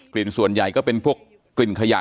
ส่วนใหญ่ก็เป็นพวกกลิ่นขยะ